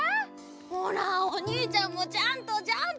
ほらおにいちゃんもちゃんとジャンプして！